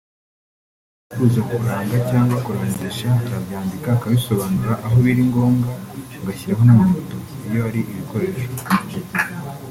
Ibyo umuntu yifuza kuranga cyangwa kurangisha arabyandika akabisobanura aho biri ngombwa agashyiraho n’amafoto (iyo ari ibikoresho)